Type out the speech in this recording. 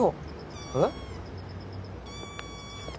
えっ？